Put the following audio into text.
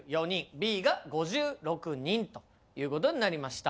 Ｂが５６人ということになりました。